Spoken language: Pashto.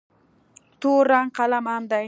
تور رنګ قلم عام دی.